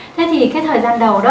thế thì cái thời gian đầu đó